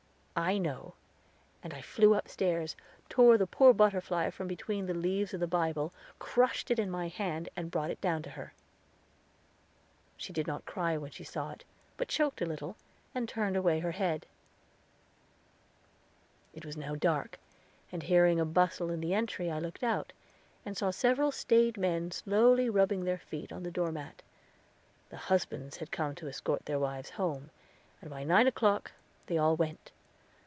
"I know," and I flew upstairs, tore the poor butterfly from between the leaves of the Bible, crushed it in my hand, and brought it down to her. She did not cry when she saw it, but choked a little, and turned away her head. It was now dark, and hearing a bustle in the entry I looked out, and saw several staid men slowly rubbing their feet on the door mat; the husbands had come to escort their wives home, and by nine o'clock they all went.